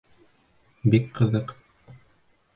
Бик ҡыҙыҡ.